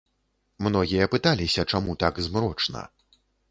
Многія пыталіся, чаму так змрочна.